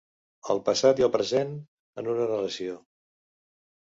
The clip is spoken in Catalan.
El passat i el present en una narració.